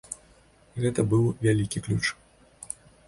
Гэта быў вялікі ключ.